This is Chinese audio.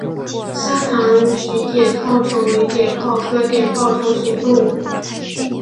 沙塘鳢碘泡虫为碘泡科碘泡虫属的动物。